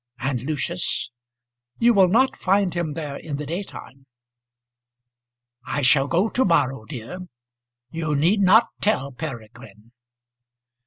"And, Lucius " "You will not find him there in the daytime." "I shall go to morrow, dear. You need not tell Peregrine."